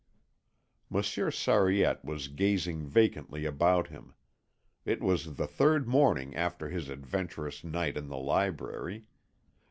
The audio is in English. Monsieur Sariette was gazing vacantly about him. It was the third morning after his adventurous night in the library.